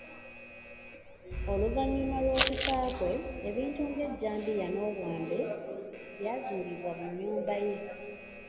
Oluvannyuma lw'okufa kwe, ebintu nga ejjambiya n'obwambe byazuulibwa mu nnyumba ye.